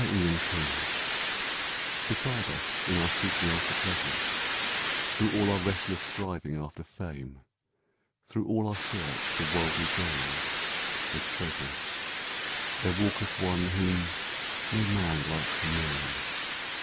THE QUESTION Beside us in our seeking after pleasures, Through all our restless striving after fame, Through all our search for worldly gains and treasures, There walketh one whom no man likes to name.